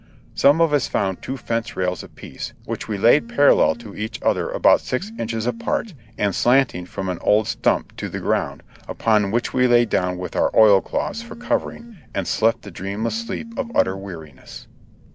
Some of us found two fence rails apiece, which we laid parallel to each other about six inches apart and slanting from an old stump to the ground, upon which we lay down with our oil cloths for cov ering and slept the dreamless sleep of utter weariness.